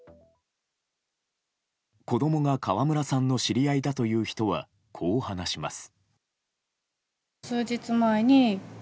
子供が川村さんの知り合いだという人はこう話します。